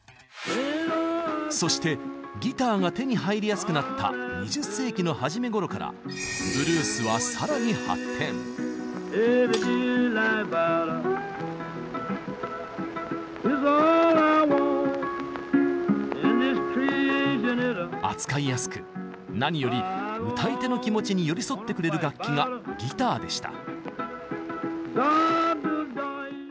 そしてギターが手に入りやすくなった２０世紀の初めごろからブルースは扱いやすく何より歌い手の気持ちに寄り添ってくれる楽器がギターでした。